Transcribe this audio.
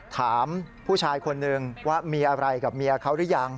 ถามผู้ชายคนนึงว่ามีอะไรกับเมียเขาหรือยัง